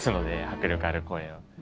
迫力ある声を。